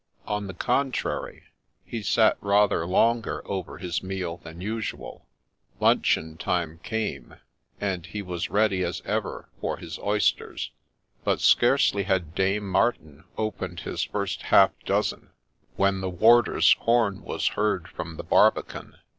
On the contrary, he sat rather longer over his meal than usual : luncheon time came, and he was ready as ever for his oysters : but scarcely had Dame Martin opened his first half dozen when the warder's horn was heard from the barbican.